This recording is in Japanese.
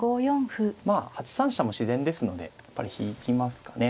まあ８三飛車も自然ですのでやっぱり引きますかね。